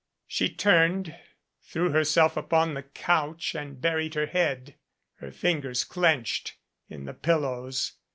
She turned, threw herself upon the couch and buried her head, her fingers clenched, in the pillows.